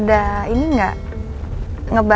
sambil buka akunella